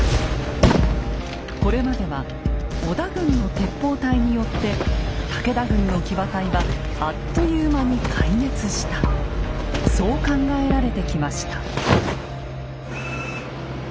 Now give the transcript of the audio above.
これまでは織田軍の鉄砲隊によって武田軍の騎馬隊はあっという間に壊滅したそう考えられてきました。